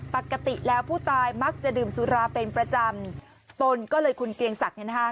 ปกติแล้วผู้ตายมักจะดื่มสุราเป็นประจำตนก็เลยคุณเกลียงศักดิ์เนี่ยนะคะ